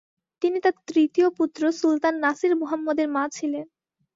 তিনি তার তৃতীয় পুত্র সুলতান নাসির মুহাম্মদের মা ছিলেন।